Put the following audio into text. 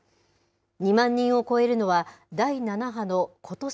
２万人を超えるのは、第７波のことし